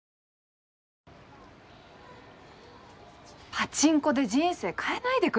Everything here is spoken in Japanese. パチンコで人生変えないでくれる？